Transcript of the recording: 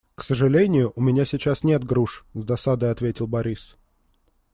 «К сожалению, у меня сейчас нет груш», - с досадой ответил Борис.